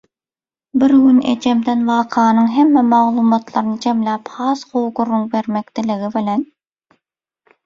Bir gün ejemden wakanyň hemme maglumatlaryny jemläp has gowy gürrüň bermek dilegi bilen.